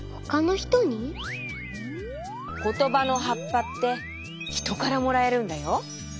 ことばのはっぱってひとからもらえるんだよ。